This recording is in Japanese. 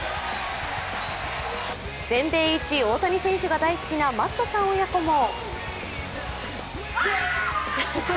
全米一大谷選手が大好きなマットさん親子も。